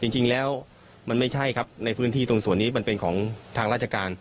จริงแล้วมันไม่ใช่ครับในพื้นที่ตรงส่วนนี้มันเป็นของทางราชการ